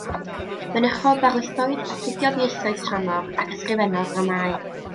Mynychodd ddarlithoedd, astudiodd ieithoedd tramor, ac ysgrifennodd ddramâu.